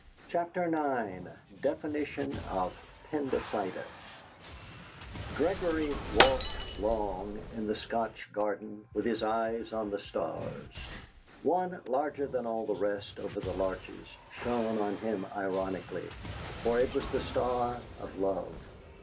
CHAPTER IX DEFINITION OF "PENDYCITIS" Gregory walked long in the Scotch garden with his eyes on the stars. One, larger than all the rest, over the larches, shone on him ironically, for it was the star of love.